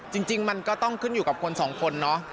จริงมันก็ต้องขึ้นอยู่กับคนสองคนเนาะ